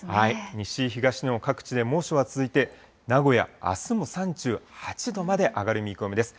西、東日本、各地で猛暑が続いて、名古屋、あすも３８度まで上がる見込みです。